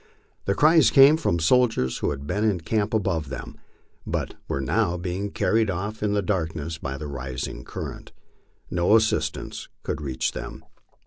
The cries came from the soldiers who had been in camp above them, but were now being carried oft* in the darkness by the rising current. No assistance could reach them.